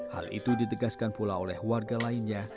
hal itu ditegaskan pula oleh warga lainnya